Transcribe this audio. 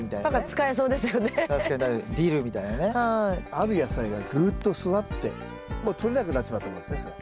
ある野菜がぐっと育ってもうとれなくなってしまったもんですねそれ。